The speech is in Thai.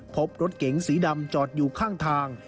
พบรถเก๋งสีดำจอดอยู่ข้างทาง